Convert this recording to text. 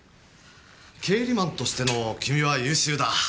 経理マンとしての君は優秀だ。